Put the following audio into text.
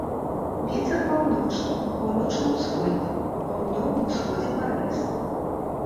Вецер паўночны, паўночна-ўсходні, па паўднёвым усходзе парывісты.